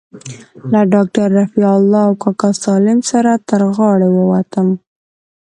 له ډاکتر رفيع الله او کاکا سالم سره تر غاړې ووتم.